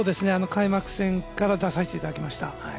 開幕戦から出させていただきました。